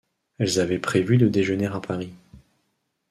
Elles avaient prévu de déjeuner à Paris.